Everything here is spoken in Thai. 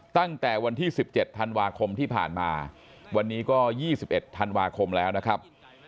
ตั้งแต่วันที่๑๗ธันวาคมที่ผ่านมาวันนี้ก็๒๑ธันวาคมแล้วนะครับ